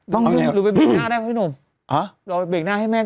ต้องยืมหรือไปเขียนแห้งหน้าด้วยนะพี่หนุ่ม